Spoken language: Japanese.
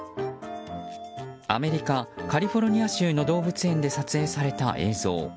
アメリカ・カリフォルニア州の動物園で撮影された映像。